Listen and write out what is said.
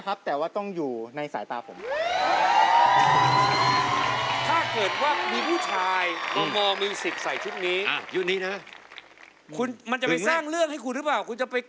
เราที่พันธุ์ใจอ่ะ๓ทีครับ